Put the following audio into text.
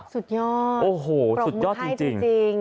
สุดยอดปรบมือไทยจริง